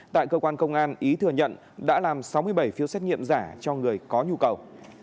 tại cơ quan công an ý thừa nhận đã làm sáu mươi bảy phiếu xét nghiệm giả cho người có nhu cầu